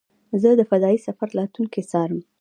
زه د فضایي سفر راتلونکی څارم.